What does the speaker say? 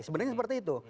sebenarnya seperti itu